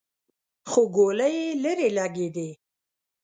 خو ګولۍ يې ليرې لګېدې.